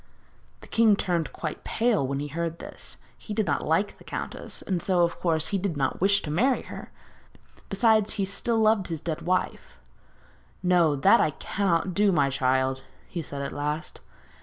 The king turned quite pale when he heard this. He did not like the countess, and so, of course, he did not wish to marry her; besides, he still loved his dead wife. 'No, that I cannot do, my child,' he said at last.